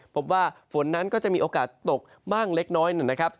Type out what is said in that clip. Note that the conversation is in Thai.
พบว่าฝนนั้นก็จะมีโอกาสตกบ้างเล็กน้อยนะครับ